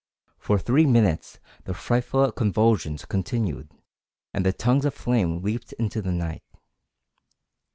For three minutes the frightful convulsions continued, and the tongues of flame leaped into the night.